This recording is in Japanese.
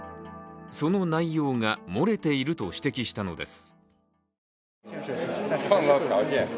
その内容が漏れていると指摘したのです。